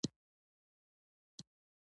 ملاتړ ملګری وي.